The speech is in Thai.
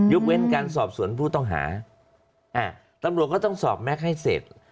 เว้นการสอบสวนผู้ต้องหาตำรวจก็ต้องสอบแม็กซ์ให้เสร็จ